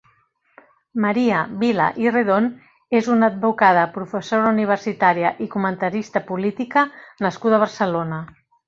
Maria Vila i Redon és una advocada, professora universitària i comentarista política nascuda a Barcelona.